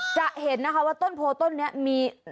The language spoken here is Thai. จะเห็นนะคะว่าต้นโพต้นนี้มี